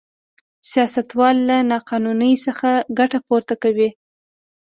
سیاستوال له نا قانونۍ څخه ګټه پورته کوي.